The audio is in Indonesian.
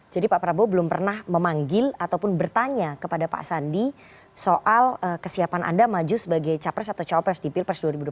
jadi pak prabowo belum pernah memanggil ataupun bertanya kepada pak sandi soal kesiapan anda maju sebagai capres atau cowapres di pilpres dua ribu dua puluh empat